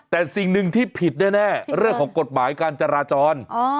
แต่สิ่งหนึ่งที่ผิดแน่เรื่องของกฎหมายการจราจร